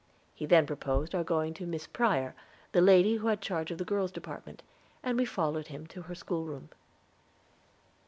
He then proposed our going to Miss Prior, the lady who had charge of the girls' department, and we followed him to her school room.